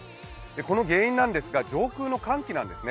この原因なんですが、上空の寒気なんですね。